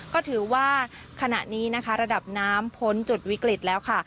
ก็ถือว่าขณะนี้นะคะระดับน้ำพ้นจุดวิกฤตแล้วค่ะ